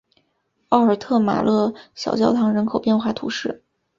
奥尔特马勒小教堂人口变化图示